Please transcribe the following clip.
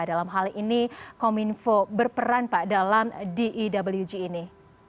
dalam hal ini kominfo berperan pak dalam dewg ini